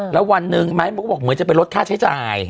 แล้ววันหนึ่งไม้มันก็บอกเหมือนจะไปลดค่าใช้จ่าย